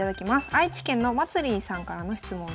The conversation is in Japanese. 愛知県のまつりんさんからの質問です。